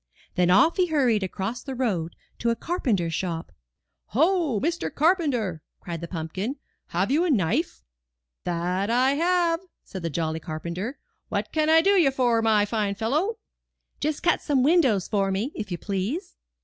Then off he hurried across the road to a car penter's shop. "Ho, Mr. Carpenter!" cried the pumpkin, "have you a knife?" ?:^^i^^&Mn^^Mi''^::i^>>^0^ ^^i .^^^i; a MY BOOK HOUSE 'That I have," said the jolly carpenter. *'What can I do for you, my fine fellow?" 'Just cut some windows for me, if you please."